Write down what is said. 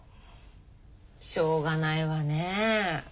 しょうがないわね。